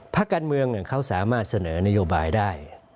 พักการเมืองเขาสามารถเสนอนโยบายได้